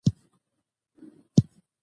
د سولې سیاست اوږدمهاله لید غواړي